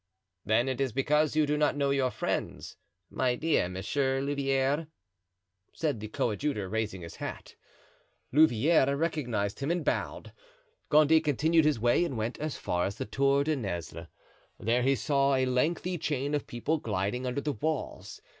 "Then it is because you do not know your friends, my dear Monsieur Louvieres," said the coadjutor, raising his hat. Louvieres recognized him and bowed. Gondy continued his way and went as far as the Tour de Nesle. There he saw a lengthy chain of people gliding under the walls.